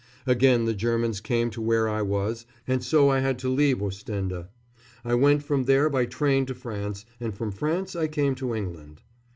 Again the Germans came to where I was, and so I had to leave Ostende. I went from there by train to France, and from France I came to England.